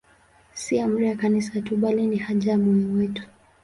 Si amri ya Kanisa tu, bali ni haja ya moyo wetu.